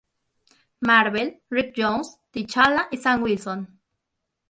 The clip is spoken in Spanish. Marvel, Rick Jones, T'Challa y Sam Wilson.